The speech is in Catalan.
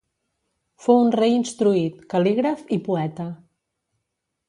Fou un rei instruït, cal·lígraf i poeta.